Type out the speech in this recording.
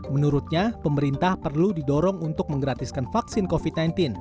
menurutnya pemerintah perlu didorong untuk menggratiskan vaksin covid sembilan belas